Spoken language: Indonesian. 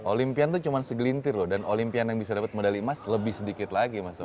olimpian tuh cuma segelintir loh dan olimpian yang bisa dapat medali emas lebih sedikit lagi mas owi